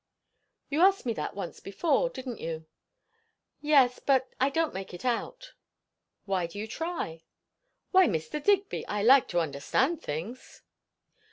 "You asked me that once before, didn't you?" "Yes; but I don't make it out." "Why do you try?" "Why Mr. Digby, I like to understand things."